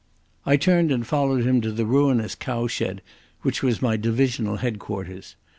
I turned and followed him to the ruinous cowshed which was my divisional headquarters.